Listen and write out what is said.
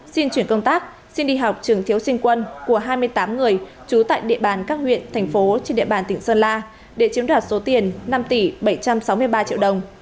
xin chuyển công tác xin đi học trường thiếu sinh quân của hai mươi tám người trú tại địa bàn các huyện thành phố trên địa bàn tỉnh sơn la để chiếm đoạt số tiền năm tỷ bảy trăm sáu mươi ba triệu đồng